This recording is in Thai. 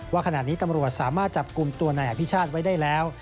ว่าขณะนี้ตำรวจสามารถจับกลุ่มตัวนายอภิชาติไว้ได้แล้ว